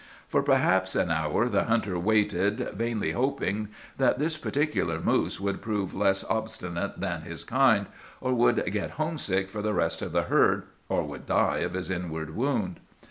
"For perhaps an hour the hunter waited, vainly hoping that this particular moose would prove less obstinate than his kind, or would get homesick for the rest of the herd, or would die of his inward wound.